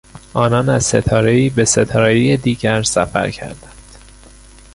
آنان از ستارهای به ستارهی دیگر سفر کردند.